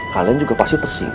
kalian juga pasti tersibuk